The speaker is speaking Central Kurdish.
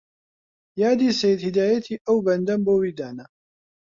یادی سەید هیدایەتی ئەو بەندەم بۆ وی دانا